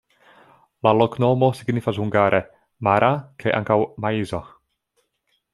La loknomo signifas hungare: mara kaj ankaŭ maizo.